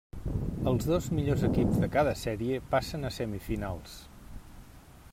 Els dos millors equips de cada sèrie passen a semifinals.